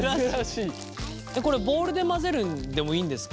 これボウルで混ぜるでもいいんですか？